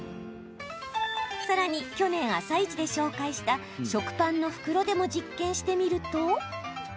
さらに去年「あさイチ」で紹介した食パンの袋でも実験してみると。